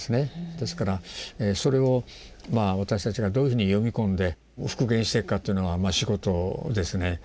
ですからそれを私たちがどういうふうに読み込んで復元してくかというのが仕事ですね。